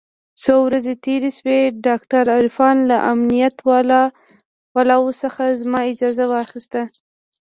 څو ورځې چې تېرې سوې ډاکتر عرفان له امنيت والاو څخه زما اجازه واخيسته.